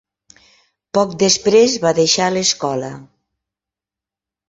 Poc després va deixar l'escola.